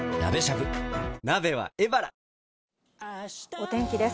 お天気です。